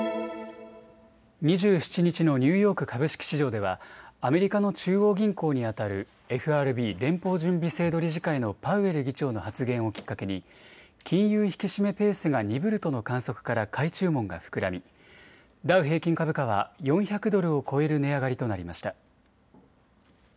２７日のニューヨーク株式市場ではアメリカの中央銀行にあたるＦＲＢ・連邦準備制度理事会のパウエル議長の発言をきっかけに金融引き締めペースが鈍るとの観測から買い注文が膨らみダウ平均株価は４００ドルを超える値上がりとなりました。